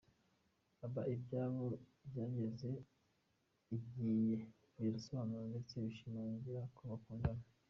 Aba, ibyabo byageze igiye birisobanura ndetse bashimangira ko bakundana.